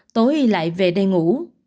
tối lại về đây ngủ